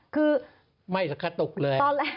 คือไม่สะกะตุกเลย